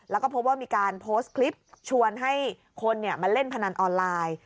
แล้วก็พบว่ามีการโพสต์คลิปชวนให้คนมาเล่นพนันออนไลน์